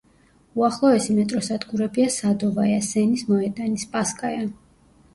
უახლოესი მეტროსადგურებია „სადოვაია“, „სენის მოედანი“, „სპასკაია“.